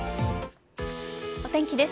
お天気です。